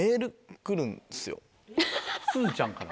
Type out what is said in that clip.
すずちゃんから？